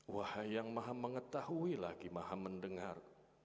wahai yang maha mengetahui lagi maha mendengar